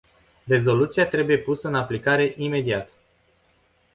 Rezoluția trebuie pusă în aplicare imediat.